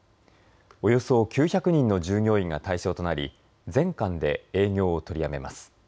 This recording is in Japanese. およそ９００人の従業員が対象となり全館で営業を取りやめます。